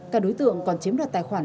các đối tượng còn chiếm đoạn tài khoản